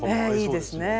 いいですね。